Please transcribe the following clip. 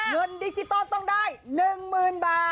เงินดิจิโตรต้องได้๑๐๐๐๐บาท